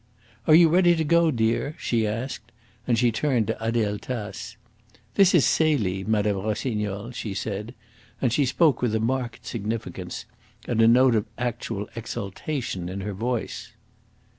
"Are you ready to go, dear?" she asked, and she turned to Adele Tace. "This is Celie, Mme. Rossignol," she said, and she spoke with a marked significance and a note of actual exultation in her voice.